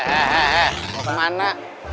eh eh eh eh kemana